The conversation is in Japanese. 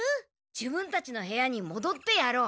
自分たちの部屋にもどってやろう。